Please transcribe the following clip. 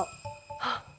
あっ。